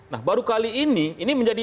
nah baru kali ini ini menjadi